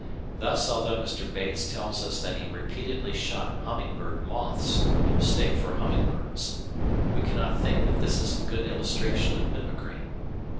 Thus although Mr. Bates tells us that he repeatedly shot humming bird moths in mistake for humming birds, we cannot think that this is a good illustration of mimicry.